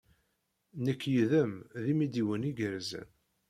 Nekk yid-m d imidiwen igerrzen.